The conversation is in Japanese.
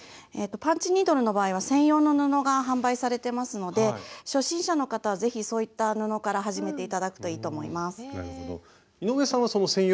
パンチニードルの場合は専用の布が販売されてますので初心者の方は是非そういった布から始めて頂くといいと思います。